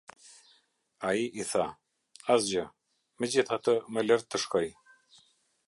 Ai i tha: "Asgjë, megjithatë më lër të shkoj".